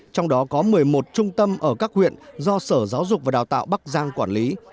trong đó có một mươi một trung tâm ở các huyện do sở giáo dục và đào tạo bắc giang quản lý